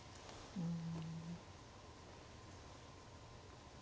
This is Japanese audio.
うん。